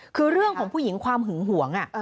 คือเรื่องของผู้หญิงความหึงหวง